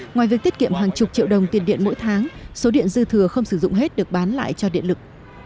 ngoài việc tiết kiệm hàng chục triệu đồng tiền điện mỗi tháng số điện dư thừa không sử dụng hết được bán lại cho điện lực